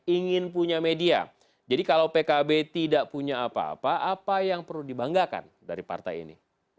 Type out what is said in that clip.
ingin punya media jadi kalau pkb tidak punya apa apa apa yang perlu dibanggakan dari partai ini